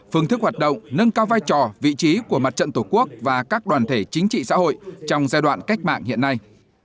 phương thức hoạt động nâng cao vai trò vị trí của mặt trận tổ quốc và các đoàn thể chính trị xã hội trong giai đoạn cách mạng hiện nay